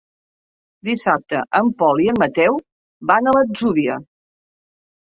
Dissabte en Pol i en Mateu van a l'Atzúbia.